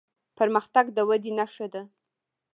پرمختګ د ودې نښه ده.